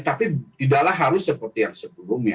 tapi tidaklah harus seperti yang sebelumnya